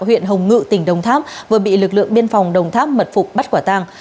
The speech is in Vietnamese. huyện hồng ngự tỉnh đồng tháp vừa bị lực lượng biên phòng đồng tháp mật phục bắt quả tàng